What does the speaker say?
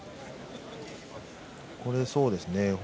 これはそうですね。